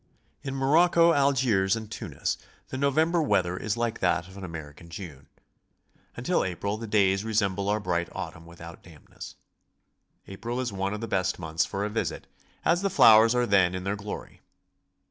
In Morocco, Algiers and Tunis the November weather is like that of an American June. Until April the days re semble our bright autumn without dampness. April is one of the best months for a visit, as the flowers are then in their glory.